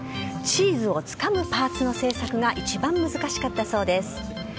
チーズをつかむパーツの製作が一番難しかったそうです。